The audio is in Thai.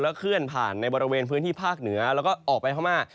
เคลื่อนผ่านในบริเวณพื้นที่ภาคเหนือแล้วก็ออกไปพม่า